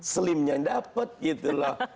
slim nya yang dapat gitu loh